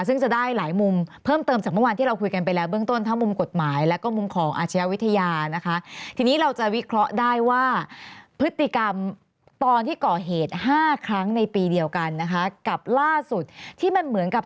ซึ่งจะได้หลายมุมเพิ่มเติมจากเมื่อวานที่เราคุยกันไปแล้ว